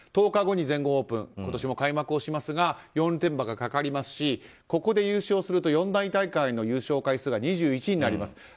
１０日後に全豪オープン今年も開幕しますが４連覇がかかりますしここで優勝すると四大大会の優勝回数が２１になります。